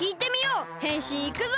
へんしんいくぞ！